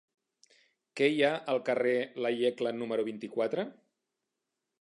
Què hi ha al carrer de Iecla número vint-i-quatre?